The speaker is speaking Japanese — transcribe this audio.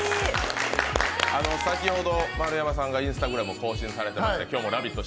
先ほど丸山さんがＩｎｓｔａｇｒａｍを更新されまして今日も「ラヴィット！」